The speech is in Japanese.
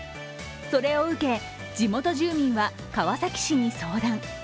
それを受け、地元住民は川崎市に相談。